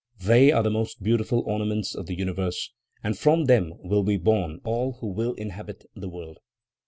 They are the most beautiful ornaments of the universe, and from them will be born all who will inhabit the world.